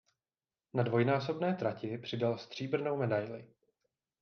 Na dvojnásobné trati přidal stříbrnou medaili.